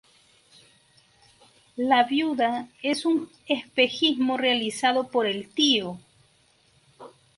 La Viuda es un espejismo realizado por El Tío.